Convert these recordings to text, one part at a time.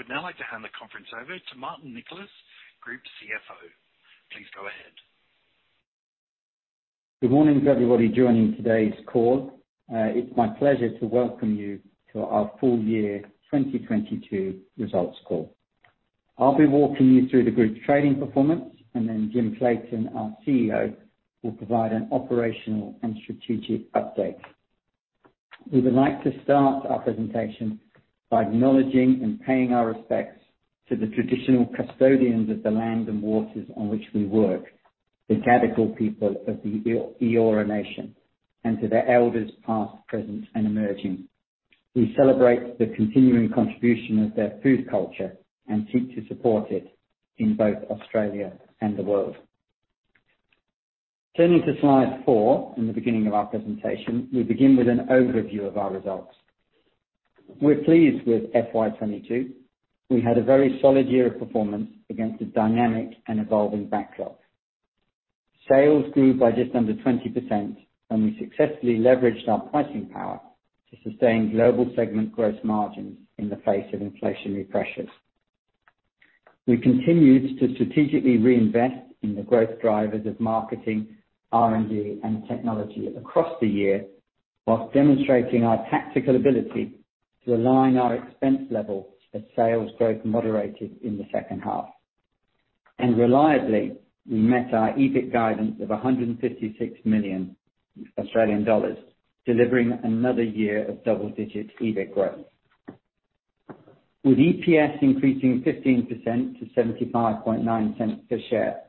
I would now like to hand the conference over to Martin Nicholas, Group CFO. Please go ahead. Good morning to everybody joining today's call. It's my pleasure to Welcome you to our full year 2022 results call. I'll be walking you through the group's trading performance, and then Jim Clayton, our CEO, will provide an operational and strategic update. We would like to start our presentation by acknowledging and paying our respects to the traditional custodians of the land and waters on which we work, the Gadigal people of the Eora Nation, and to the elders, past, present, and emerging. We celebrate the continuing contribution of their food culture and seek to support it in both Australia and the world. Turning to slide four, in the beginning of our presentation, we begin with an overview of our results. We're pleased with FY 2022. We had a very solid year of performance against a dynamic and evolving backdrop. Sales grew by just under 20%, and we successfully leveraged our pricing power to sustain global segment gross margins in the face of inflationary pressures. We continued to strategically reinvest in the growth drivers of marketing, R&D, and technology across the year, while demonstrating our tactical ability to align our expense level as sales growth moderated in the second half. Reliably, we met our EBIT guidance of 156 million Australian dollars, delivering another year of double-digit EBIT growth. With EPS increasing 15% to 0.759 per share,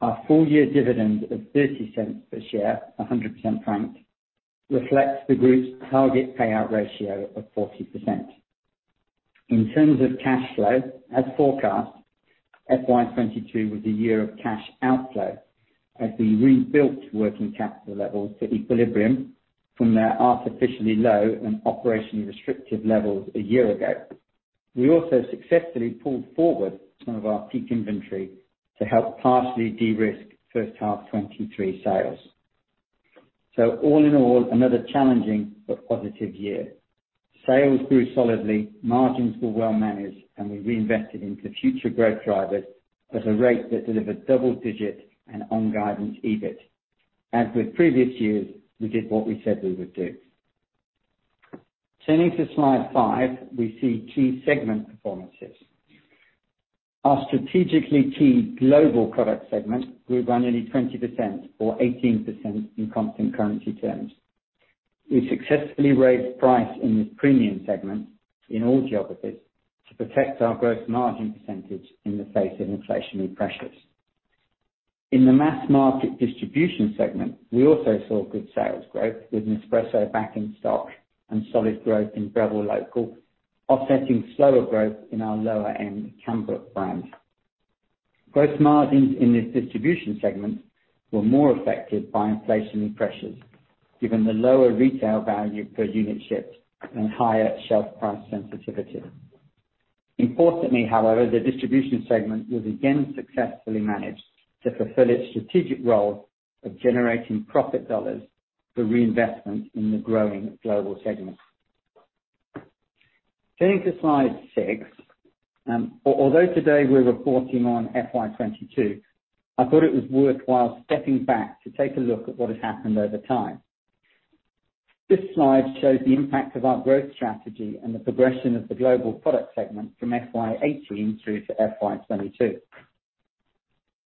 our full-year dividend of 0.30 per share, 100% franked, reflects the group's target payout ratio of 40%. In terms of cash flow, as forecast, FY 2022 was a year of cash outflow as we rebuilt working capital levels to equilibrium from their artificially low and operationally restrictive levels a year ago. We also successfully pulled forward some of our peak inventory to help partially de-risk first half 2023 sales. All in all, another challenging but positive year. Sales grew solidly, margins were well managed, and we reinvested into future growth drivers at a rate that delivered double-digit and on guidance EBIT. As with previous years, we did what we said we would do. Turning to slide five, we see key segment performances. Our strategically key global product segment grew by nearly 20% or 18% in constant currency terms. We successfully raised price in this premium segment in all geographies to protect our gross margin percentage in the face of inflationary pressures. In the mass market distribution segment, we also saw good sales growth with Nespresso back in stock and solid growth in Breville local, offsetting slower growth in our lower-end Kambrook brand. Gross margins in this distribution segment were more affected by inflationary pressures, given the lower retail value per unit shipped and higher shelf price sensitivity. Importantly, however, the distribution segment was again successfully managed to fulfill its strategic role of generating profit dollars for reinvestment in the growing global segment. Turning to slide 6, although today we're reporting on FY 2022, I thought it was worthwhile stepping back to take a look at what has happened over time. This slide shows the impact of our growth strategy and the progression of the global product segment from FY 2018 through to FY 2022.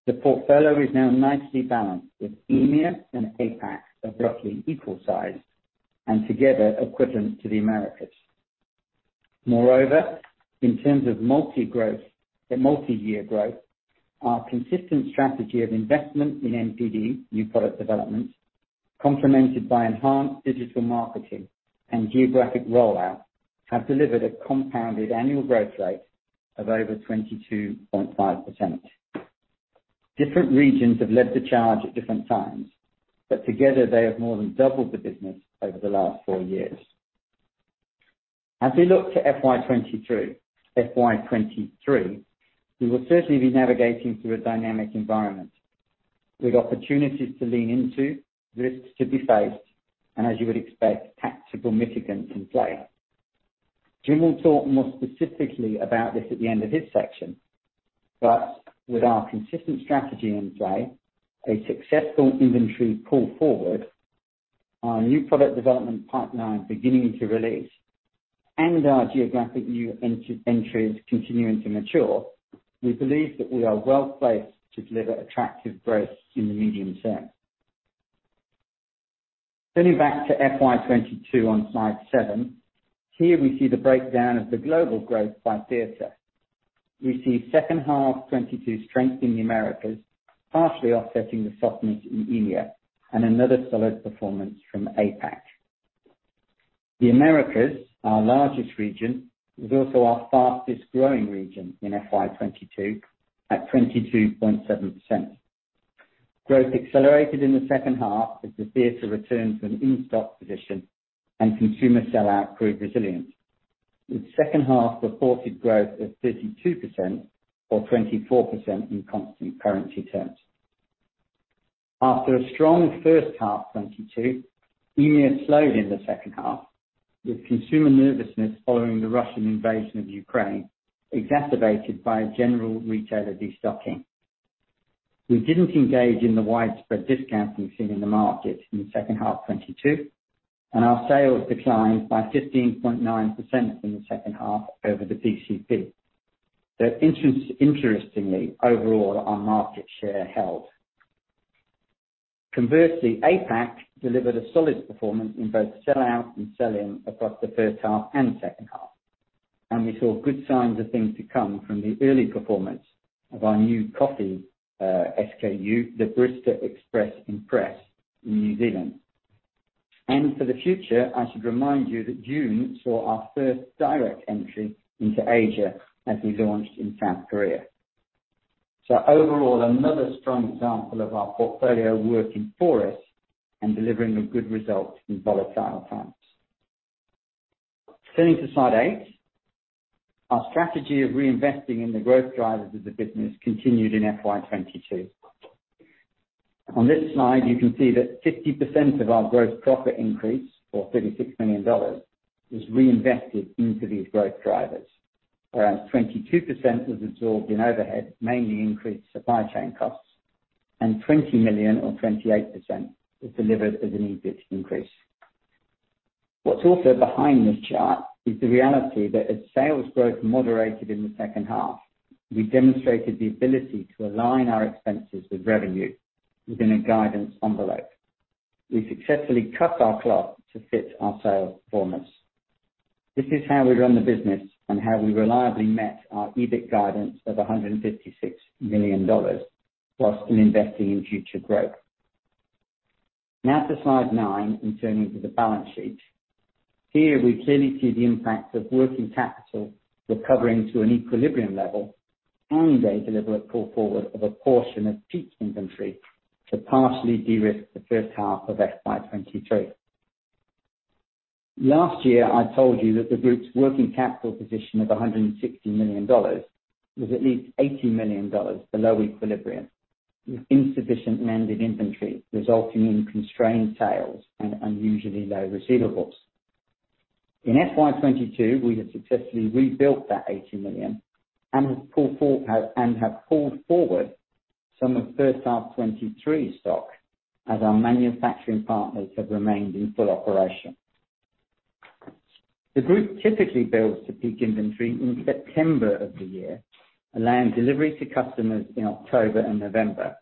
The portfolio is now nicely balanced, with EMEA and APAC of roughly equal size and together equivalent to the Americas. Moreover, in terms of the multi-year growth, our consistent strategy of investment in NPD, new product development, complemented by enhanced digital marketing and geographic rollout, have delivered a compounded annual growth rate of over 22.5%. Different regions have led the charge at different times, but together they have more than doubled the business over the last four years. As we look to FY 2023, we will certainly be navigating through a dynamic environment with opportunities to lean into, risks to be faced, and as you would expect, tactical mitigants in play. Jim will talk more specifically about this at the end of his section. With our consistent strategy in play, a successful inventory pull forward, our new product development pipeline beginning to release, and our geographic new entries continuing to mature, we believe that we are well-placed to deliver attractive growth in the medium term. Turning back to FY 2022 on slide seven, here we see the breakdown of the global growth by theater. We see second half 2022 strength in the Americas, partially offsetting the softness in EMEA and another solid performance from APAC. The Americas, our largest region, was also our fastest-growing region in FY 2022 at 22.7%. Growth accelerated in the second half as the trade returned to an in-stock position and consumer sell-out proved resilient, with second half reported growth of 32% or 24% in constant currency terms. After a strong first half 2022, EMEA slowed in the second half, with consumer nervousness following the Russian invasion of Ukraine, exacerbated by a general retailer destocking. We didn't engage in the widespread discounting seen in the market in the second half 2022, and our sales declined by 15.9% in the second half over the PCP. Interestingly, overall, our market share held. Conversely, APAC delivered a solid performance in both sell-out and sell-in across the first half and second half. We saw good signs of things to come from the early performance of our new coffee SKU, the Barista Express Impress in New Zealand. For the future, I should remind you that June saw our first direct entry into Asia, as we launched in South Korea. Overall, another strong example of our portfolio working for us and delivering a good result in volatile times. Turning to slide eight. Our strategy of reinvesting in the growth drivers of the business continued in FY 2022. On this slide, you can see that 50% of our gross profit increase, or 36 million dollars, is reinvested into these growth drivers. Whereas 22% is absorbed in overhead, mainly increased supply chain costs, and 20 million or 28% is delivered as an EBIT increase. What's also behind this chart is the reality that as sales growth moderated in the second half, we demonstrated the ability to align our expenses with revenue within a guidance envelope. We successfully cut our cloth to fit our sales performance. This is how we run the business and how we reliably met our EBIT guidance of 156 million dollars, while still investing in future growth. Now to slide nine and turning to the balance sheet. Here we clearly see the impact of working capital recovering to an equilibrium level and a deliberate pull forward of a portion of peak inventory to partially de-risk the first half of FY 2023. Last year, I told you that the group's working capital position of 160 million dollars was at least 80 million dollars below equilibrium, with insufficient landed inventory resulting in constrained sales and unusually low receivables. In FY 2022, we have successfully rebuilt that 80 million and have pulled forward some of first half 2023 stock as our manufacturing partners have remained in full operation. The group typically builds to peak inventory in September of the year, allowing delivery to customers in October and November,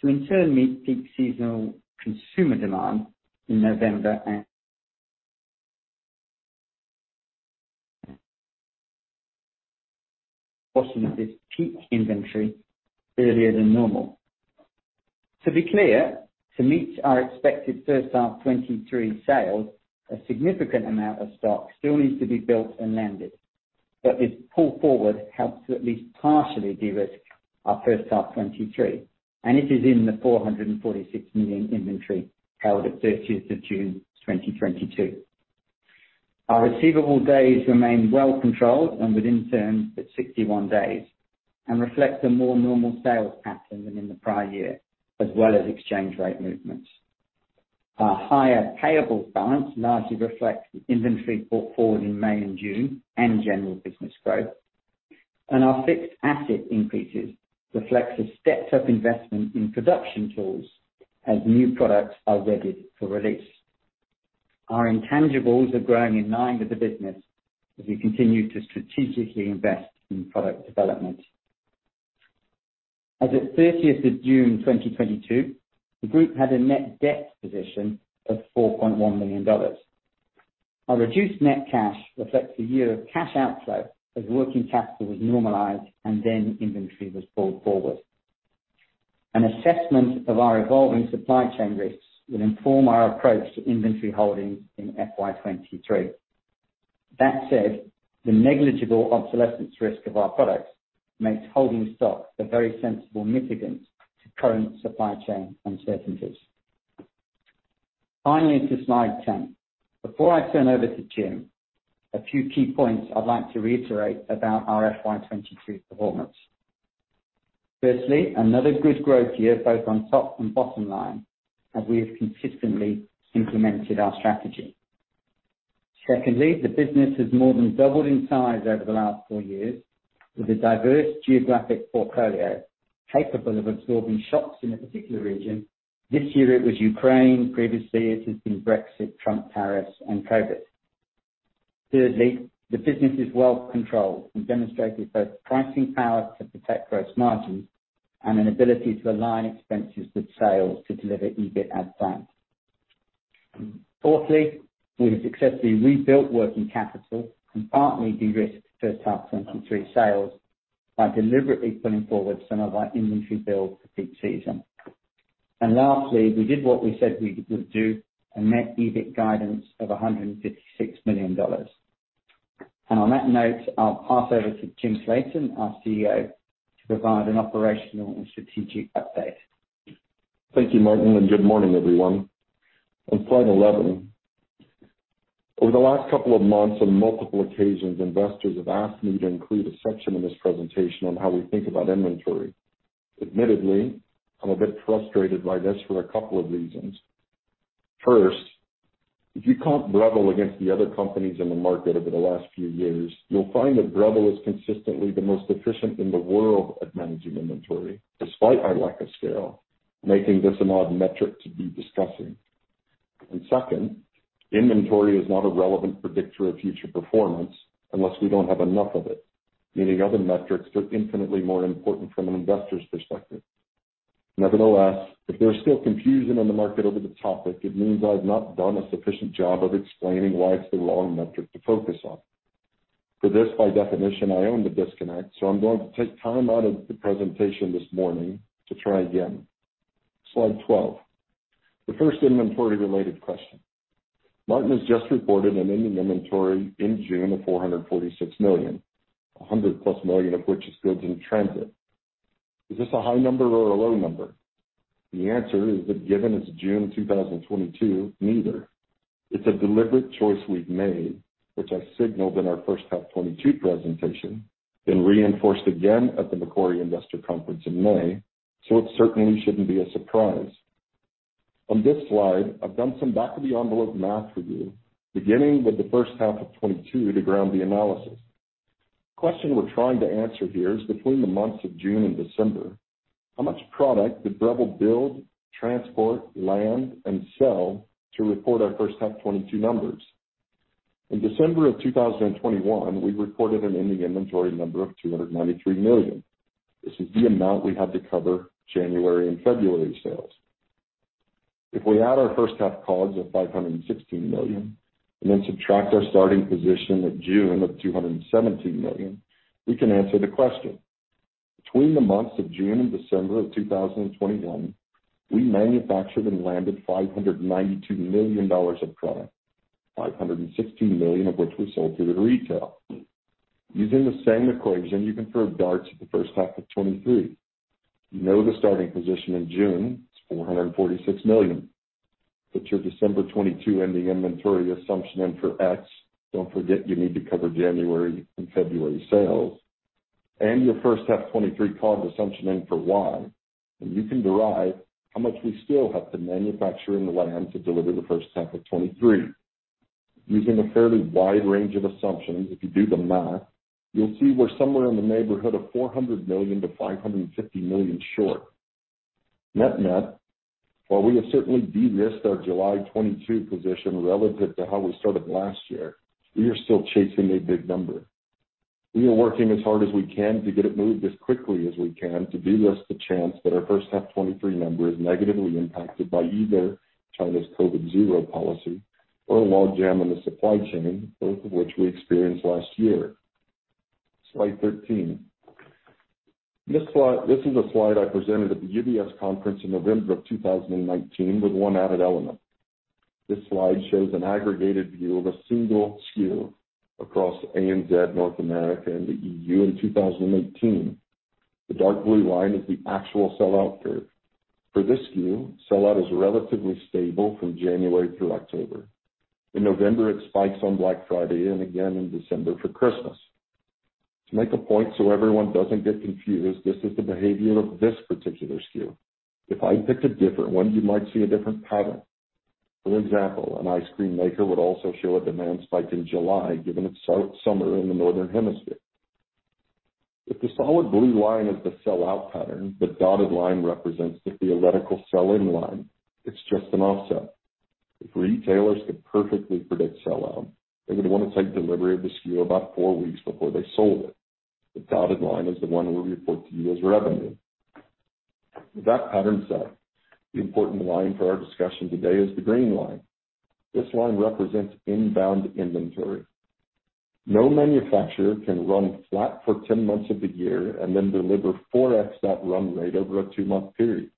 to in turn meet peak seasonal consumer demand in November and portion of this peak inventory earlier than normal. To be clear, to meet our expected first half 2023 sales, a significant amount of stock still needs to be built and landed. This pull forward helps to at least partially de-risk our first half 2023, and it is in the 446 million inventory held at 30 June 2022. Our receivable days remain well controlled and within norm at 61 days and reflect a more normal sales pattern than in the prior year, as well as exchange rate movements. Our higher payable balance largely reflects the inventory brought forward in May and June and general business growth. Our fixed asset increases reflect a stepped-up investment in production tools as new products are readied for release. Our intangibles are growing in line with the business as we continue to strategically invest in product development. As of 30th of June 2022, the group had a net debt position of 4.1 million dollars. Our reduced net cash reflects a year of cash outflow as working capital was normalized and then inventory was pulled forward. An assessment of our evolving supply chain risks will inform our approach to inventory holdings in FY 2023. That said, the negligible obsolescence risk of our products makes holding stock a very sensible mitigant to current supply chain uncertainties. Finally, to slide 10. Before I turn over to Jim, a few key points I'd like to reiterate about our FY 2022 performance. Firstly, another good growth year, both on top and bottom line, as we have consistently implemented our strategy. Secondly, the business has more than doubled in size over the last four years with a diverse geographic portfolio capable of absorbing shocks in a particular region. This year it was Ukraine, previously it has been Brexit, Trump tariffs and COVID. Thirdly, the business is well controlled and demonstrated both pricing power to protect gross margin and an ability to align expenses with sales to deliver EBIT as planned. Fourthly, we have successfully rebuilt working capital and partly de-risked first half 2023 sales by deliberately pulling forward some of our inventory build for peak season. Lastly, we did what we said we would do and met EBIT guidance of 156 million dollars. On that note, I'll pass over to Jim Clayton, our CEO, to provide an operational and strategic update. Thank you, Martin, and good morning, everyone. On slide 11. Over the last couple of months, on multiple occasions, investors have asked me to include a section in this presentation on how we think about inventory. Admittedly, I'm a bit frustrated by this for a couple of reasons. First, if you count Breville against the other companies in the market over the last few years, you'll find that Breville is consistently the most efficient in the world at managing inventory despite our lack of scale, making this an odd metric to be discussing. Second, inventory is not a relevant predictor of future performance unless we don't have enough of it, meaning other metrics are infinitely more important from an investor's perspective. Nevertheless, if there's still confusion on the market over the topic, it means I've not done a sufficient job of explaining why it's the wrong metric to focus on. For this, by definition, I own the disconnect, so I'm going to take time out of the presentation this morning to try again. Slide 12. The first inventory-related question. Martin has just reported an ending inventory in June of 446 million, 100+ million of which is goods in transit. Is this a high number or a low number? The answer is that given its June 2022, neither. It's a deliberate choice we've made, which I signaled in our first half 2022 presentation, then reinforced again at the Macquarie Australia Conference in May, so it certainly shouldn't be a surprise. On this slide, I've done some back of the envelope math review, beginning with the first half of 2022 to ground the analysis. The question we're trying to answer here is between the months of June and December, how much product did Breville build, transport, land, and sell to report our first half 2022 numbers? In December of 2021, we reported an ending inventory number of 293 million. This is the amount we had to cover January and February sales. If we add our first half COGS of 516 million and then subtract our starting position at June of 217 million, we can answer the question. Between the months of June and December of 2021, we manufactured and landed 592 millions dollars of product, 516 millions of which we sold through to retail. Using the same equation, you can throw darts at the first half of 2023. You know the starting position in June, it's 446 million. Put your December 2022 ending inventory assumption in for X. Don't forget you need to cover January and February sales. Your first half 2023 COGS assumption in for Y, and you can derive how much we still have to manufacture inland to deliver the first half of 2023. Using a fairly wide range of assumptions, if you do the math, you'll see we're somewhere in the neighborhood of 400 million-550 million short. Net net, while we have certainly de-risked our July 2022 position relative to how we started last year, we are still chasing a big number. We are working as hard as we can to get it moved as quickly as we can to de-risk the chance that our first half 2023 number is negatively impacted by either China's zero-COVID policy or a logjam in the supply chain, both of which we experienced last year. Slide 13. This slide, this is a slide I presented at the UBS conference in November 2019 with one added element. This slide shows an aggregated view of a single SKU across ANZ, North America, and the EU in 2018. The dark blue line is the actual sell-out curve. For this SKU, sell-out is relatively stable from January through October. In November, it spikes on Black Friday and again in December for Christmas. To make a point so everyone doesn't get confused, this is the behavior of this particular SKU. If I picked a different one, you might see a different pattern. For example, an ice cream maker would also show a demand spike in July, given its summer in the Northern Hemisphere. If the solid blue line is the sell-out pattern, the dotted line represents the theoretical sell-in line. It's just an offset. If retailers could perfectly predict sell-out, they would wanna take delivery of the SKU about four weeks before they sold it. The dotted line is the one we report to you as revenue. With that pattern set, the important line for our discussion today is the green line. This line represents inbound inventory. No manufacturer can run flat for ten months of the year and then deliver 4x that run rate over a two-month period.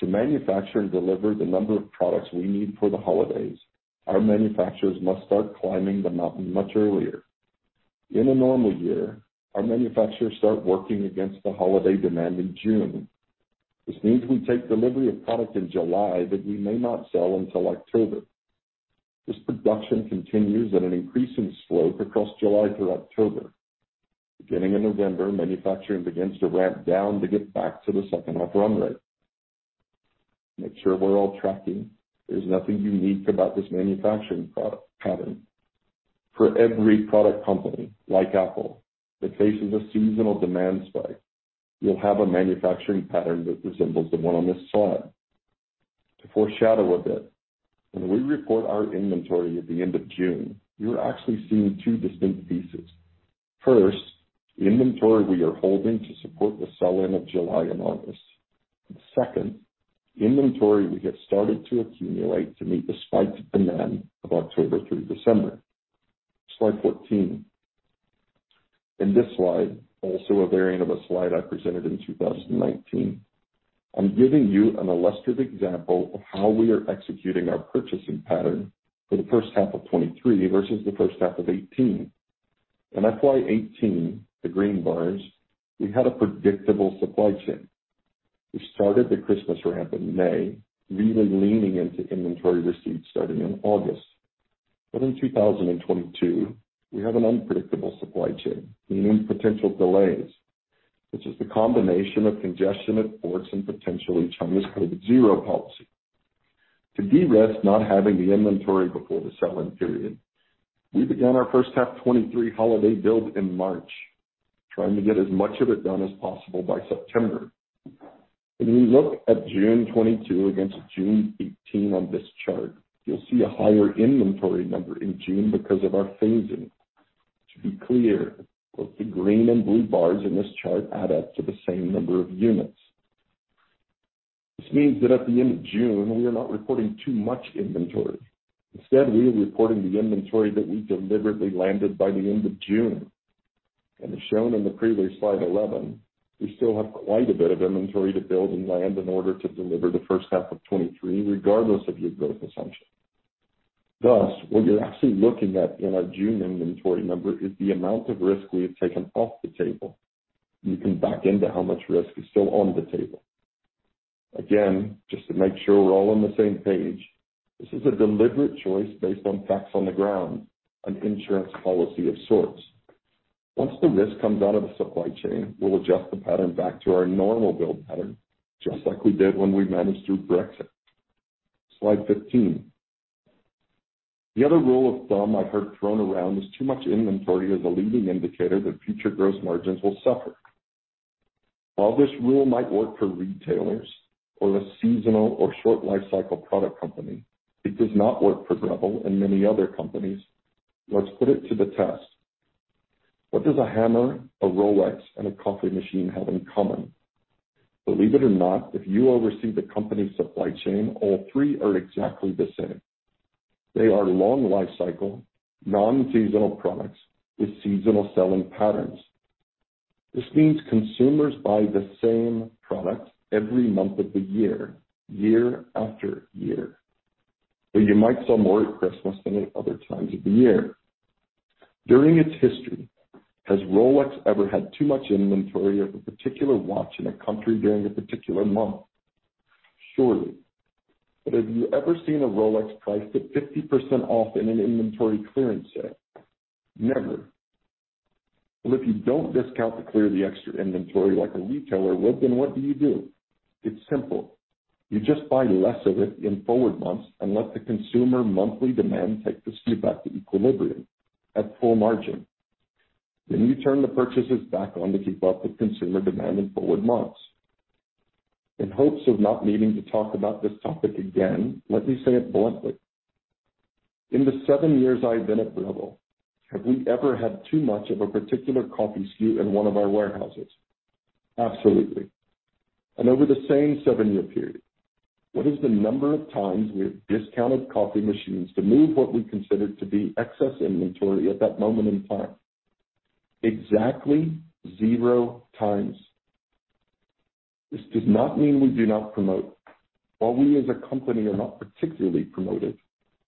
To manufacture and deliver the number of products we need for the holidays, our manufacturers must start climbing the mountain much earlier. In a normal year, our manufacturers start working against the holiday demand in June. This means we take delivery of product in July that we may not sell until October. This production continues at an increasing slope across July through October. Beginning in November, manufacturing begins to ramp down to get back to the second half run rate. Make sure we're all tracking. There's nothing unique about this manufacturing product pattern. For every product company, like Apple, that faces a seasonal demand spike, you'll have a manufacturing pattern that resembles the one on this slide. To foreshadow a bit, when we report our inventory at the end of June, you're actually seeing two distinct pieces. First, the inventory we are holding to support the sell-in of July and August. Second, the inventory we have started to accumulate to meet the spiked demand of October through December. Slide 14. In this slide, also a variant of a slide I presented in 2019, I'm giving you an illustrative example of how we are executing our purchasing pattern for the first half of 2023 versus the first half of 2018. In FY 2018, the green bars, we had a predictable supply chain. We started the Christmas ramp in May, really leaning into inventory receipts starting in August. In 2022, we have an unpredictable supply chain, meaning potential delays, which is the combination of congestion at ports and potentially China's zero-COVID policy. To de-risk not having the inventory before the selling period, we began our first half 2023 holiday build in March, trying to get as much of it done as possible by September. When we look at June 2022 against June 2018 on this chart, you'll see a higher inventory number in June because of our phasing. To be clear, both the green and blue bars in this chart add up to the same number of units. This means that at the end of June, we are not reporting too much inventory. Instead, we are reporting the inventory that we deliberately landed by the end of June. As shown in the previous slide 11, we still have quite a bit of inventory to build and land in order to deliver the first half of 2023, regardless of your growth assumption. Thus, what you're actually looking at in our June inventory number is the amount of risk we have taken off the table. You can back into how much risk is still on the table. Again, just to make sure we're all on the same page, this is a deliberate choice based on facts on the ground, an insurance policy of sorts. Once the risk comes out of the supply chain, we'll adjust the pattern back to our normal build pattern, just like we did when we managed through Brexit. Slide 15. The other rule of thumb I heard thrown around is too much inventory is a leading indicator that future gross margins will suffer. While this rule might work for retailers or a seasonal or short lifecycle product company, it does not work for Breville and many other companies. Let's put it to the test. What does a hammer, a Rolex, and a coffee machine have in common? Believe it or not, if you oversee the company's supply chain, all three are exactly the same. They are long lifecycle, non-seasonal products with seasonal selling patterns. This means consumers buy the same products every month of the year after year. You might sell more at Christmas than at other times of the year. During its history, has Rolex ever had too much inventory of a particular watch in a country during a particular month? Surely. Have you ever seen a Rolex priced at 50% off in an inventory clearance sale? Never. Well, if you don't discount to clear the extra inventory like a retailer would, then what do you do? It's simple. You just buy less of it in forward months and let the consumer monthly demand take the SKU back to equilibrium at full margin. You turn the purchases back on to keep up with consumer demand in forward months. In hopes of not needing to talk about this topic again, let me say it bluntly. In the seven years I've been at Breville, have we ever had too much of a particular coffee SKU in one of our warehouses? Absolutely. Over the same seven-year period, what is the number of times we have discounted coffee machines to move what we considered to be excess inventory at that moment in time? Exactly zero times. This does not mean we do not promote. While we as a company are not particularly promotive,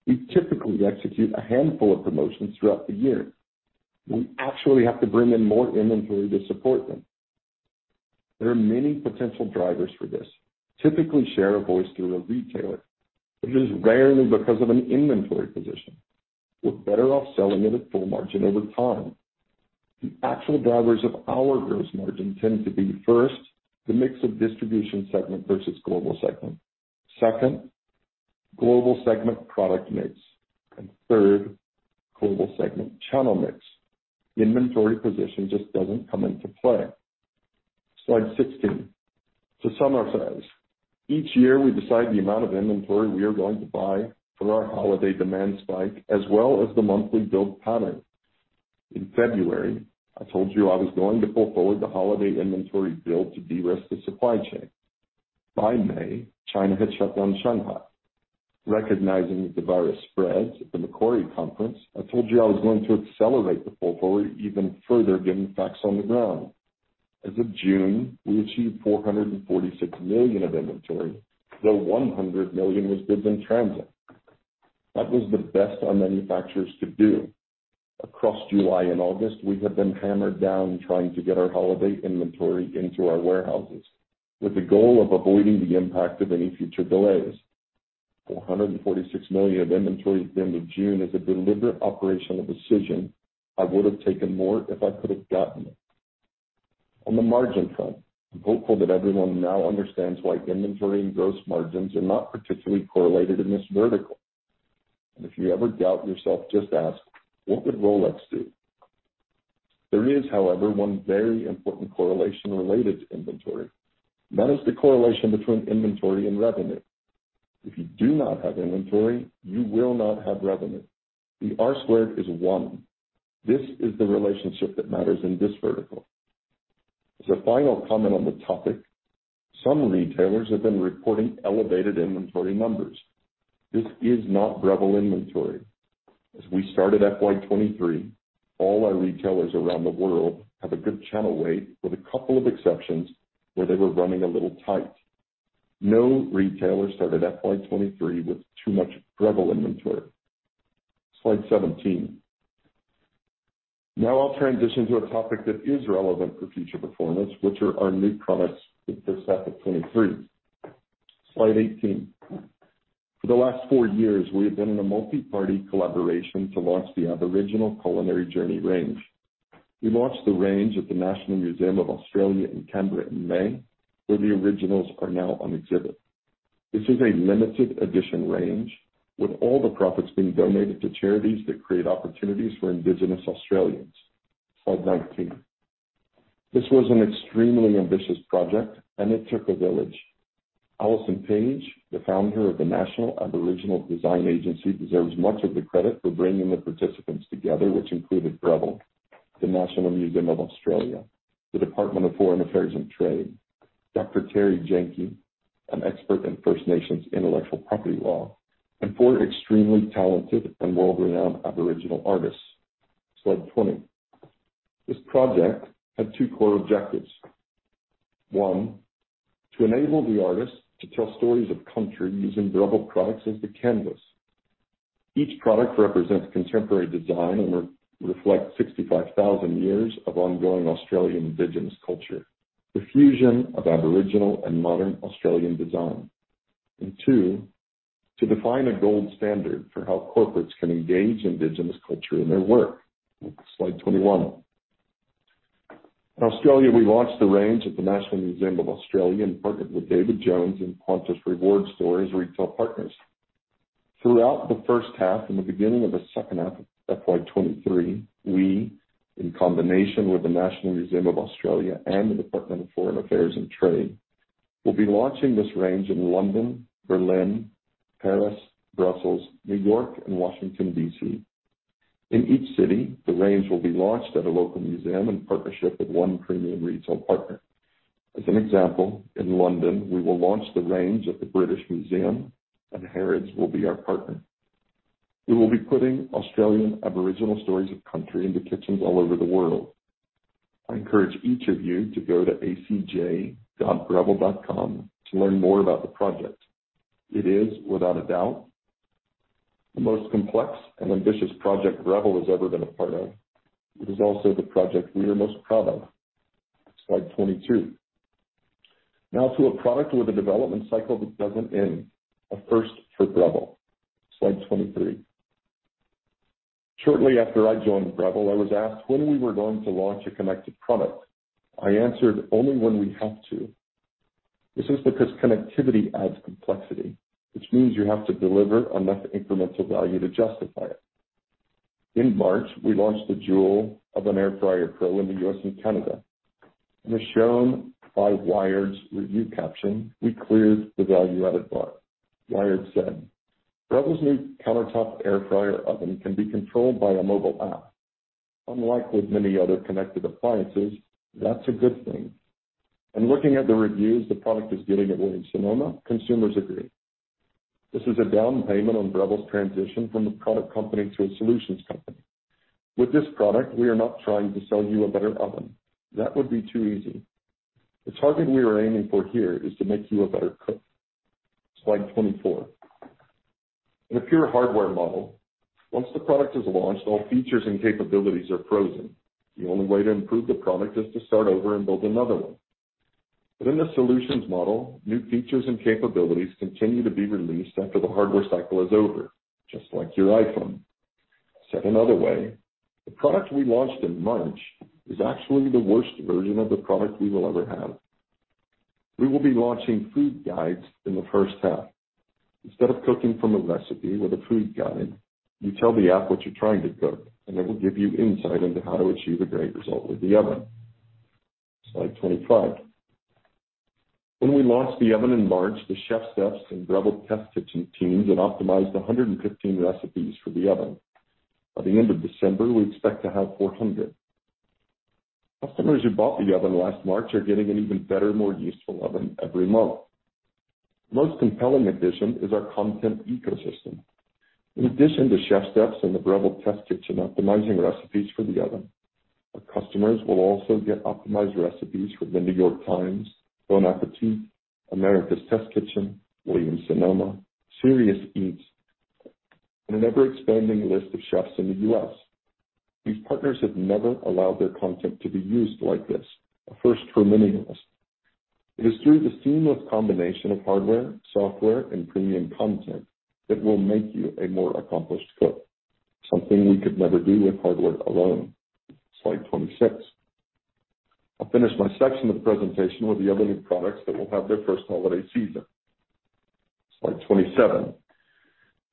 we typically execute a handful of promotions throughout the year. We actually have to bring in more inventory to support them. There are many potential drivers for this, typically share a voice through a retailer, but it is rarely because of an inventory position. We're better off selling it at full margin over time. The actual drivers of our gross margin tend to be, first, the mix of distribution segment versus global segment. Second, global segment product mix. Third, global segment channel mix. Inventory position just doesn't come into play. Slide 16. To summarize, each year we decide the amount of inventory we are going to buy for our holiday demand spike, as well as the monthly build pattern. In February, I told you I was going to pull forward the holiday inventory build to de-risk the supply chain. By May, China had shut down Shanghai. Recognizing that the virus spreads at the Macquarie Australia Conference, I told you I was going to accelerate the pull forward even further given facts on the ground. As of June, we achieved 446 millions of inventory, though 100 million was goods in transit. That was the best our manufacturers could do. Across July and August, we have been hammered down trying to get our holiday inventory into our warehouses with the goal of avoiding the impact of any future delays. 446 millions of inventory at the end of June is a deliberate operational decision. I would have taken more if I could have gotten it. On the margin front, I'm hopeful that everyone now understands why inventory and gross margins are not particularly correlated in this vertical. If you ever doubt yourself, just ask, "What would Rolex do?" There is, however, one very important correlation related to inventory. That is the correlation between inventory and revenue. If you do not have inventory, you will not have revenue. The R-squared is one. This is the relationship that matters in this vertical. As a final comment on the topic, some retailers have been reporting elevated inventory numbers. This is not Breville inventory. As we started FY 2023, all our retailers around the world have a good channel weight with a couple of exceptions where they were running a little tight. No retailer started FY 2023 with too much Breville inventory. Slide 17. Now I'll transition to a topic that is relevant for future performance, which are our new products for the second 2023. Slide 18. For the last four years, we have been in a multi-party collaboration to launch the Aboriginal Culinary Journey range. We launched the range at the National Museum of Australia in Canberra in May, where the originals are now on exhibit. This is a limited-edition range, with all the profits being donated to charities that create opportunities for Indigenous Australians. Slide 19. This was an extremely ambitious project, and it took a village. Alison Page, the founder of the National Aboriginal Design Agency, deserves much of the credit for bringing the participants together, which included Breville, the National Museum of Australia, the Department of Foreign Affairs and Trade, Dr. Terri Janke, an expert in First Nations intellectual property law, and four extremely talented and world-renowned Aboriginal artists. Slide 20. This project had two core objectives. One, to enable the artists to tell stories of country using Breville products as the canvas. Each product represents contemporary design and reflects 65,000 years of ongoing Australian Indigenous culture, the fusion of Aboriginal and modern Australian design. Two, to define a gold standard for how corporates can engage Indigenous culture in their work. Slide 21. In Australia, we launched the range at the National Museum of Australia and partnered with David Jones and Qantas Marketplace as retail partners. Throughout the first half and the beginning of the second half of FY 2023, we, in combination with the National Museum of Australia and the Department of Foreign Affairs and Trade, will be launching this range in London, Berlin, Paris, Brussels, New York, and Washington, D.C. In each city, the range will be launched at a local museum in partnership with one premium retail partner. As an example, in London, we will launch the range at the British Museum, and Harrods will be our partner. We will be putting Australian Aboriginal stories of country into kitchens all over the world. I encourage each of you to go to acj.breville.com to learn more about the project. It is, without a doubt, the most complex and ambitious project Breville has ever been a part of. It is also the project we are most proud of. Slide 22. Now to a product with a development cycle that doesn't end, a first for Breville. Slide 23. Shortly after I joined Breville, I was asked when we were going to launch a connected product. I answered, "Only when we have to." This is because connectivity adds complexity, which means you have to deliver enough incremental value to justify it. In March, we launched the Joule Oven Air Fryer Pro in the U.S. and Canada. As shown by Wired's review caption, we cleared the value-added bar. Wired said, "Breville's new countertop air fryer oven can be controlled by a mobile app. Unlike with many other connected appliances, that's a good thing." Looking at the reviews, the product is getting at Williams-Sonoma, consumers agree. This is a down payment on Breville's transition from a product company to a solutions company. With this product, we are not trying to sell you a better oven. That would be too easy. The target we are aiming for here is to make you a better cook. Slide 24. In a pure hardware model, once the product is launched, all features and capabilities are frozen. The only way to improve the product is to start over and build another one. In a solutions model, new features and capabilities continue to be released after the hardware cycle is over, just like your iPhone. Said another way, the product we launched in March is actually the worst version of the product we will ever have. We will be launching food guides in the first half. Instead of cooking from a recipe with a food guide, you tell the app what you're trying to cook, and it will give you insight into how to achieve a great result with the oven. Slide 25. When we launched the oven in March, the ChefSteps and Breville Test Kitchen teams optimized 115 recipes for the oven. By the end of December, we expect to have 400. Customers who bought the oven last March are getting an even better, more useful oven every month. Most compelling addition is our content ecosystem. In addition to ChefSteps and the Breville Test Kitchen optimizing recipes for the oven, our customers will also get optimized recipes from The New York Times, Bon Appétit, America's Test Kitchen, Williams Sonoma, Serious Eats, and an ever-expanding list of chefs in the US. These partners have never allowed their content to be used like this. A first for many of us. It is through the seamless combination of hardware, software, and premium content that will make you a more accomplished cook, something we could never do with hardware alone. Slide 26. I'll finish my section of the presentation with the other new products that will have their first holiday season. Slide 27.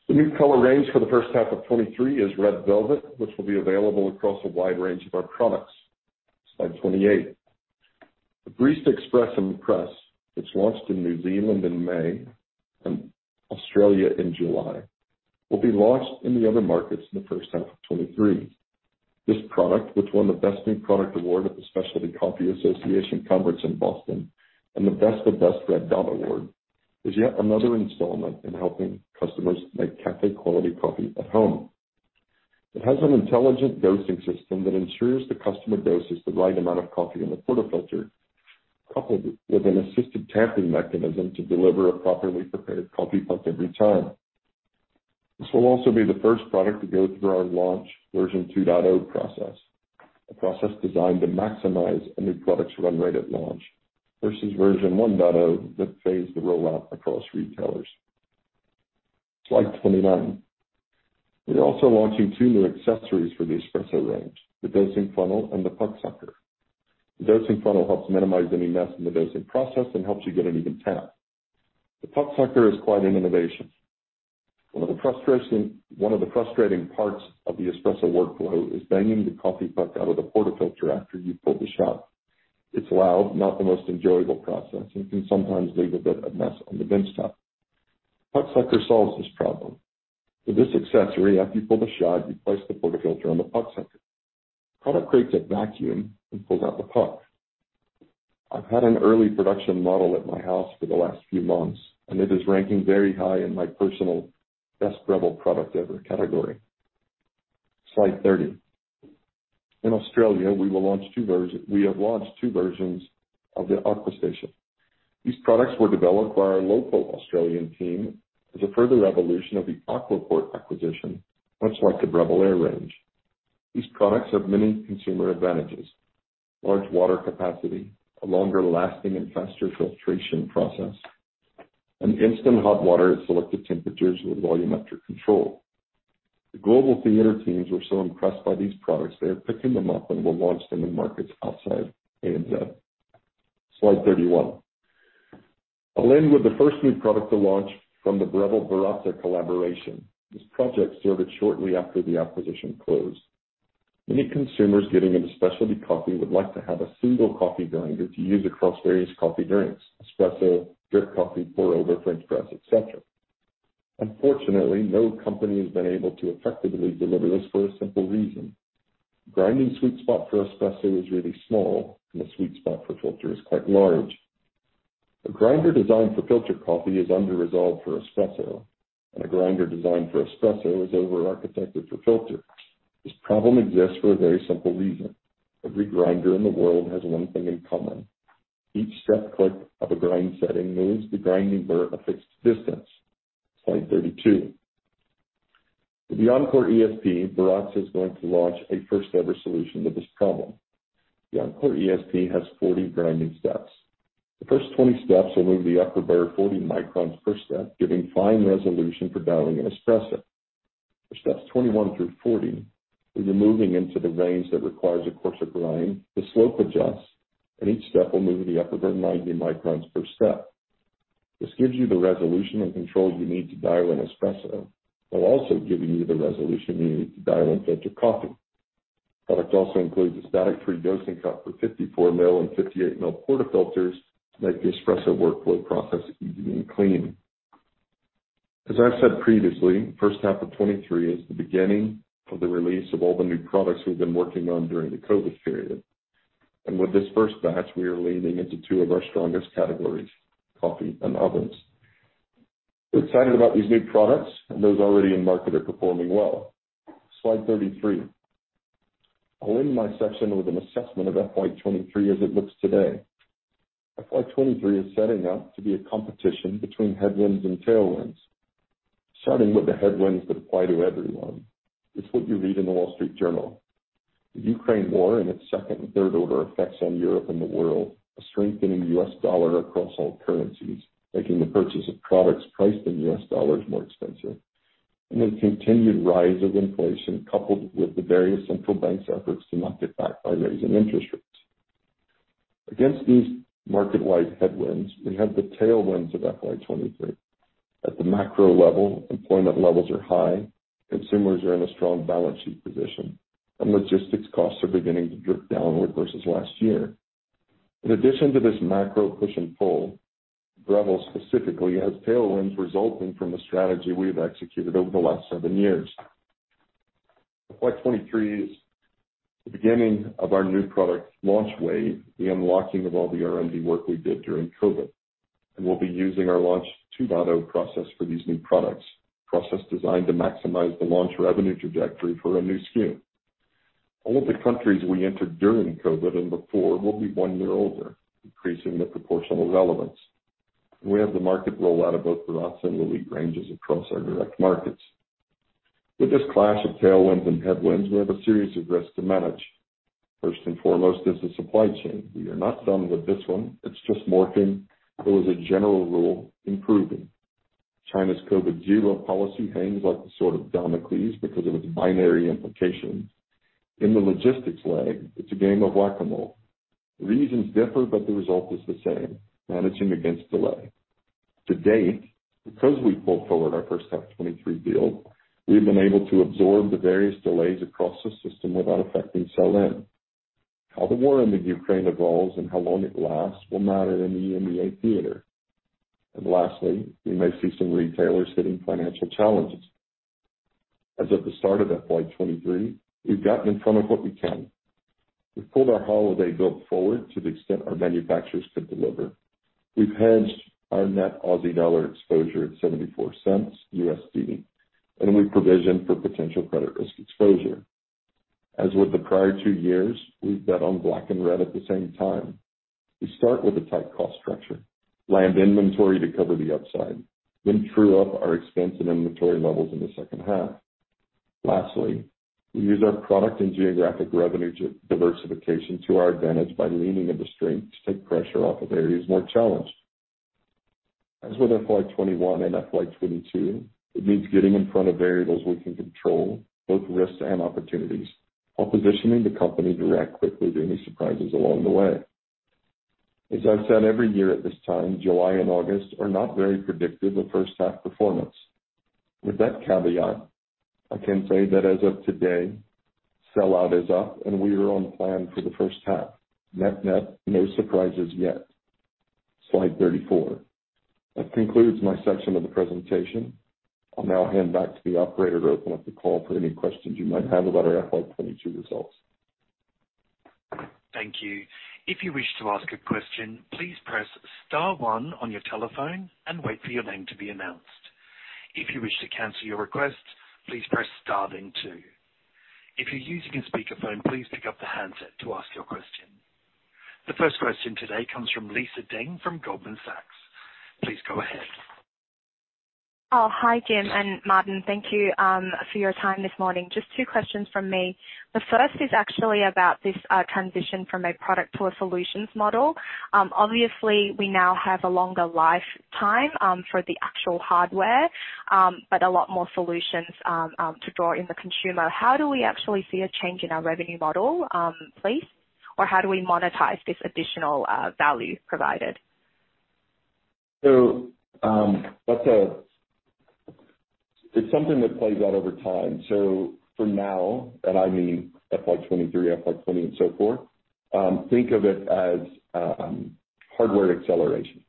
The new color range for the first half of 2023 is Red Velvet, which will be available across a wide range of our products. Slide 28. The Barista Express Impress, which launched in New Zealand in May and Australia in July, will be launched in the other markets in the first half of 2023. This product, which won the Best New Product Award at the Specialty Coffee Association Conference in Boston and the Best of Best Red Dot Award, is yet another installment in helping customers make café-quality coffee at home. It has an intelligent dosing system that ensures the customer doses the right amount of coffee in the portafilter, coupled with an assisted tamping mechanism to deliver a properly prepared coffee puck every time. This will also be the first product to go through our launch version 2.0 process, a process designed to maximize a new product's run rate at launch versus version 1.0 that phased the rollout across retailers. Slide 29. We are also launching two new accessories for the espresso range, the Dosing Funnel and the Puck Sucker. The Dosing Funnel helps minimize any mess in the dosing process and helps you get an even tamp. The Puck Sucker is quite an innovation. One of the frustrating parts of the espresso workflow is banging the coffee puck out of the portafilter after you've pulled the shot. It's loud, not the most enjoyable process, and can sometimes leave a bit of mess on the benchtop. Puck Sucker solves this problem. With this accessory, after you pull the shot, you place the portafilter on the Puck Sucker. The product creates a vacuum and pulls out the puck. I've had an early production model at my house for the last few months, and it is ranking very high in my personal best Breville product ever category. Slide 30. In Australia, we have launched two versions of the AquaStation. These products were developed by our local Australian team as a further evolution of the Aquaport acquisition, much like the Breville Air range. These products have many consumer advantages, large water capacity, a longer lasting and faster filtration process, and instant hot water at selected temperatures with volumetric control. The global theater teams were so impressed by these products; they are picking them up and will launch them in markets outside ANZ. Slide 31. I'll end with the first new product to launch from the Breville Baratza collaboration. This project started shortly after the acquisition closed. Many consumers getting into specialty coffee would like to have a single coffee grinder to use across various coffee drinks, espresso, drip coffee, pour-over, French press, et cetera. Unfortunately, no company has been able to effectively deliver this for a simple reason. Grinding sweet spot for espresso is really small, and the sweet spot for filter is quite large. A grinder designed for filter coffee is under-resolved for espresso, and a grinder designed for espresso is over-architected for filter. This problem exists for a very simple reason. Every grinder in the world has one thing in common. Each step click of a grind setting moves the grinding bur a fixed distance. Slide 32. With the Encore ESP, Baratza is going to launch a first-ever solution to this problem. The Encore ESP has 40 grinding steps. The first 20 steps will move the upper bur 40 microns per step, giving fine resolution for dialing an espresso. For steps 21 through 40, as you're moving into the range that requires a coarser grind, the slope adjusts, and each step will move the upper burr 90 microns per step. This gives you the resolution and control you need to dial an espresso while also giving you the resolution you need to dial in filter coffee. Product also includes a static-free dosing cup for 54 mm and 58 mm portafilters to make the espresso workflow process easy and clean. As I've said previously, first half of 2023 is the beginning of the release of all the new products we've been working on during the COVID period. With this first batch, we are leaning into two of our strongest categories, coffee and ovens. We're excited about these new products, and those already in market are performing well. Slide 33. I'll end my section with an assessment of FY 2023 as it looks today. FY 2023 is setting up to be a competition between headwinds and tailwinds. Starting with the headwinds that apply to everyone, it's what you read in The Wall Street Journal. The Ukraine war and its second and third order effects on Europe and the world, a strengthening U.S. dollar across all currencies, making the purchase of products priced in U.S. dollars more expensive, and the continued rise of inflation coupled with the various central banks' efforts to knock it back by raising interest rates. Against these market-wide headwinds, we have the tailwinds of FY 2023. At the macro level, employment levels are high, consumers are in a strong balance sheet position, and logistics costs are beginning to drift downward versus last year. In addition to this macro push and pull, Breville specifically has tailwinds resulting from the strategy we have executed over the last seven years. FY 2023 is the beginning of our new product launch wave, the unlocking of all the R&D work we did during COVID, and we'll be using our launch 2.0 process for these new products, process designed to maximize the launch revenue trajectory for a new SKU. All of the countries we entered during COVID and before will be one year older, increasing their proportional relevance. We have the market rollout of both Baratza and Lelit ranges across our direct markets. With this clash of tailwinds and headwinds, we have a series of risks to manage. First and foremost is the supply chain. We are not done with this one. It's just morphing, though as a general rule, improving. China's zero-COVID policy hangs like the sword of Damocles because of its binary implications. In the logistics lag, it's a game of whack-a-mole. The reasons differ, but the result is the same, managing against delay. To date, because we pulled forward our first half 2023 build, we've been able to absorb the various delays across the system without affecting sell-in. How the war in the Ukraine evolves and how long it lasts will matter in the EMEA theater. Lastly, we may see some retailers hitting financial challenges. As of the start of FY 2023, we've gotten in front of what we can. We pulled our holiday build forward to the extent our manufacturers could deliver. We've hedged our net Aussie dollar exposure at $0.74, and we've provisioned for potential credit risk exposure. As with the prior two years, we've bet on black and red at the same time. We start with a tight cost structure, land inventory to cover the upside, then true up our expense and inventory levels in the second half. Lastly, we use our product and geographic revenue diversification to our advantage by leaning into strength to take pressure off of areas more challenged. As with FY 2021 and FY 2022, it means getting in front of variables we can control both risks and opportunities while positioning the company to react quickly to any surprises along the way. As I've said every year at this time, July and August are not very predictive of first half performance. With that caveat, I can say that as of today, sell-out is up and we are on plan for the first half. Net-net, no surprises yet. Slide 34. That concludes my section of the presentation. I'll now hand back to the operator to open up the call for any questions you might have about our FY 2022 results. Thank you. If you wish to ask a question, please press star one on your telephone and wait for your name to be announced. If you wish to cancel your request, please press star then two. If you're using a speakerphone, please pick up the handset to ask your question. The first question today comes from Lisa Deng from Goldman Sachs. Please go ahead. Oh, hi, Jim and Martin. Thank you for your time this morning. Just two questions from me. The first is actually about this transition from a product to a solutions model. Obviously, we now have a longer lifetime for the actual hardware, but a lot more solutions to draw in the consumer. How do we actually see a change in our revenue model, please? Or how do we monetize this additional value provided? It's something that plays out over time. For now, and I mean FY 2023, FY 2020 and so forth, think of it as hardware acceleration.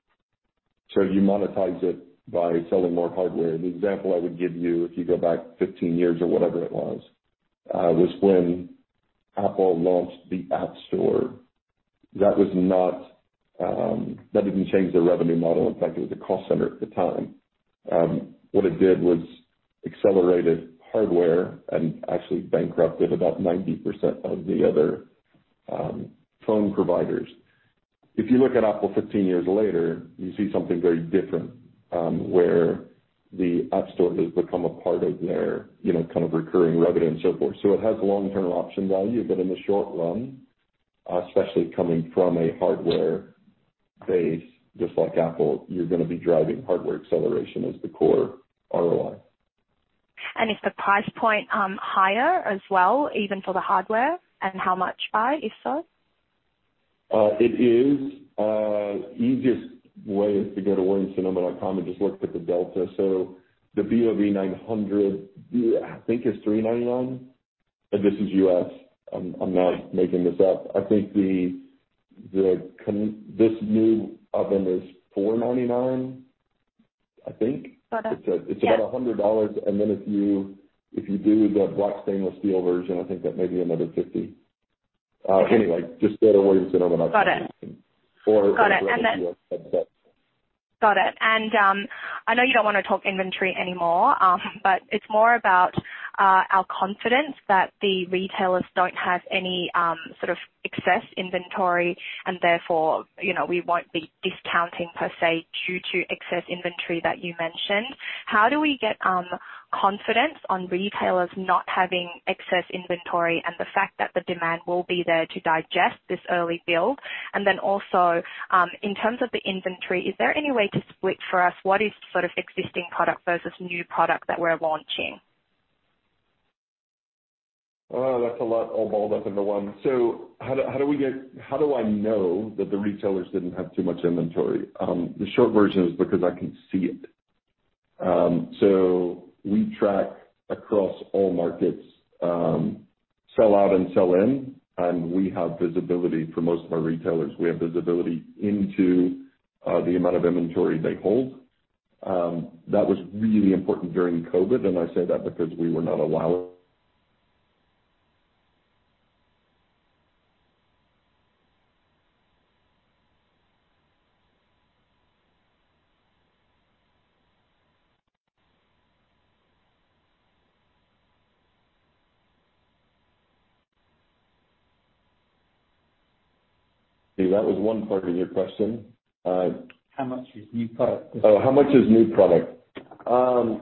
You monetize it by selling more hardware. The example I would give you, if you go back 15 years or whatever it was when Apple launched the App Store. That didn't change their revenue model. In fact, it was a cost center at the time. What it did was accelerated hardware and actually bankrupted about 90% of the other phone providers. If you look at Apple 15 years later, you see something very different, where the App Store has become a part of their, you know, kind of recurring revenue and so forth. It has long-term option value, but in the short run, especially coming from a hardware base, just like Apple, you're gonna be driving hardware acceleration as the core ROI. Is the price point higher as well, even for the hardware? How much by, if so? It is. Easiest way is to go to williams-sonoma.com and just look at the delta. The BOV900, I think, is $399, and this is U.S. I'm not making this up. I think this new oven is $499, I think. Got it. Yeah. It's about $100. If you do the black stainless-steel version, I think that may be another $50. Anyway, just go to williams-sonoma.com. Got it. Go to U.S. website. Got it. I know you don't wanna talk inventory anymore, but it's more about our confidence that the retailers don't have any sort of excess inventory and therefore, you know, we won't be discounting per se due to excess inventory that you mentioned. How do we get confidence on retailers not having excess inventory and the fact that the demand will be there to digest this early build? Also, in terms of the inventory, is there any way to split for us what is sort of existing product versus new product that we're launching? Oh, that's a lot all balled up into one. How do I know that the retailers didn't have too much inventory? The short version is because I can see it. We track across all markets, sell out and sell in, and we have visibility for most of our retailers. We have visibility into the amount of inventory they hold. That was really important during COVID, and I say that because we were not allowing. Okay, that was one part of your question. How much is new product? How much is new product? I